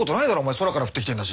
空から降ってきてんだし。